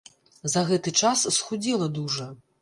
За гэты час схудзела дужа.